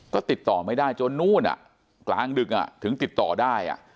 ก็ติดต่อไม่ได้จนนู่นกลางดึกถึงติดต่อได้